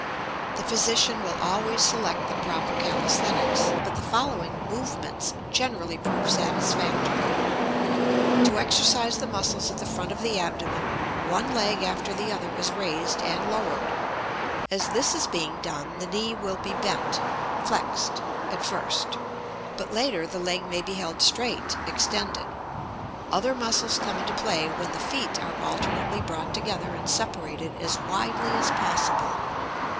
The physician will always select the proper calisthenics, but the following "movements" generally prove satisfactory. To exercise the muscles at the front of the abdomen one leg after the other is raised and lowered; as this is being done the knee will be bent (flexed) at first, but later the leg may be held straight (extended). Other muscles come into play when the feet are alternately brought together and separated as widely as possible.